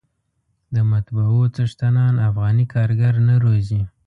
د مطبعو څښتنان افغاني کارګر نه روزي.